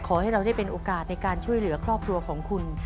ขอให้เราได้เป็นโอกาสในการช่วยเหลือครอบครัวของคุณ